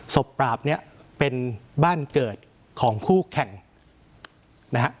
ปราบเนี่ยเป็นบ้านเกิดของคู่แข่งนะฮะ